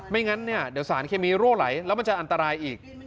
งั้นเนี่ยเดี๋ยวสารเคมีรั่วไหลแล้วมันจะอันตรายอีก